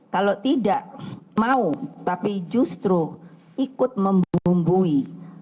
kalau tidak mau tapi justru ikut membumbui